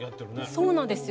そうなんですよ。